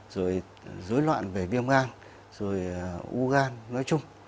rồi dối loạn về viêm gan u gan nói chung